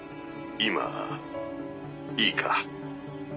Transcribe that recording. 今いいか？